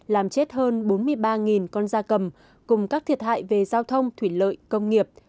làm chết hơn bốn mươi ba con da cầm cùng các thiệt hại về giao thông thủy lợi công nghiệp